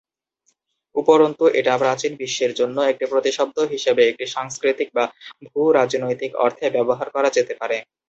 উপরন্তু, এটা 'প্রাচীন বিশ্বের' জন্য একটি প্রতিশব্দ হিসেবে একটি সাংস্কৃতিক বা ভূ-রাজনৈতিক অর্থে ব্যবহার করা যেতে পারে।